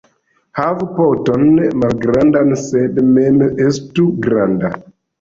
Havu poton malgrandan, sed mem estu granda.